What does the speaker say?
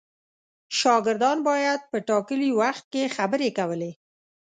شاګردان باید په ټاکلي وخت کې خبرې کولې.